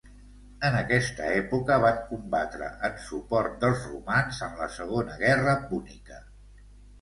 En aquesta època van combatre en suport dels romans en la segona guerra púnica.